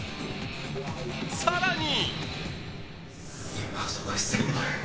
更に。